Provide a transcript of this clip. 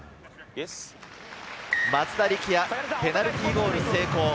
松田力也、ペナルティーゴール成功。